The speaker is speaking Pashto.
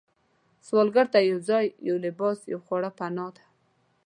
سوالګر ته یو ځای، یو لباس، یو خواړه پناه ده